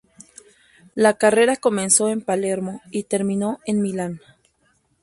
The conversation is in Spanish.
La carrera comenzó en Palermo y terminó en Milán.